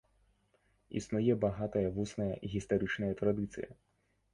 Існуе багатая вусная гістарычная традыцыя.